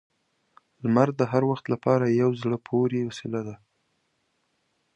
• لمر د هر وخت لپاره یو زړه پورې وسیله ده.